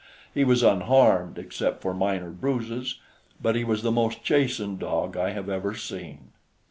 He was unharmed except for minor bruises; but he was the most chastened dog I have ever seen.